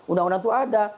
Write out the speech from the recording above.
undang undang itu ada